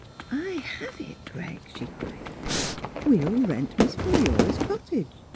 " I have it, Greg! " she cried. " We'll rent Miss Philura's cottage.